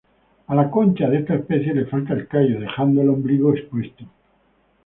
A la concha de esta especie le falta el callo, dejando el ombligo expuesto.